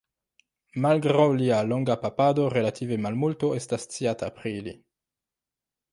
Malgraŭ lia longa papado relative malmulto estas sciata pri li.